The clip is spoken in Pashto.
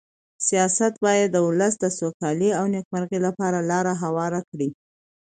سیاست باید د ولس د سوکالۍ او نېکمرغۍ لپاره لاره هواره کړي.